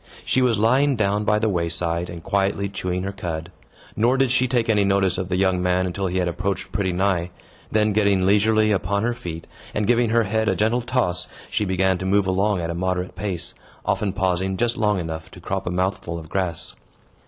She was lying down by the wayside, and quietly chewing her cud; nor did she take any notice of the young man until he had approached pretty nigh. Then, getting leisurely upon her feet, and giving her head a gentle toss, she began to move along at a moderate pace, often pausing just long enough to crop a mouthful of grass.